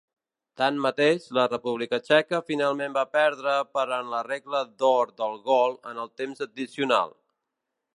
Tanmateix, la República Txeca finalment va perdre per en la regla d'or del gol en el temps addicional.